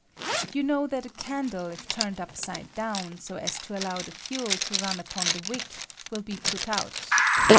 You. know that a candle, if turned upside down, so as to allow the fuel to mn upon the wick, will be put out.